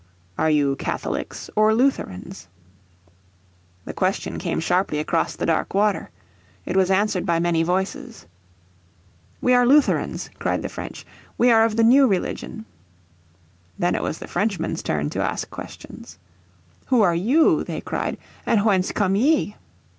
"Are you Catholics or Lutherans?" The question came sharply across the dark water. It was answered by many voices. "We are Lutherans," cried the French, "we are of the new religion." Then it was the Frenchmen's turn to ask questions. "Who are you," I they cried, "and whence come ye?"